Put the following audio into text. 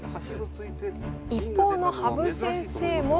一方の羽生先生も。